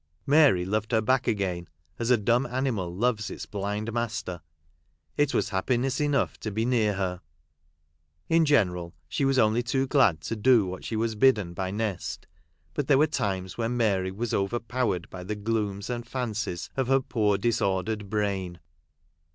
Mary loved her back again, as a dumb animal loves its blind master. It was happiness enough to be near her. In general she was only too glad to do what she was bidden by Nest. But there were times when Mary was overpowered by the glooms and fancies of her poor disordered brain.